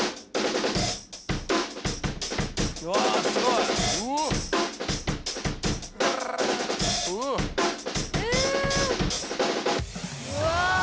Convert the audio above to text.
うわすごい。うわ！